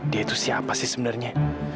dia itu siapa sih sebenarnya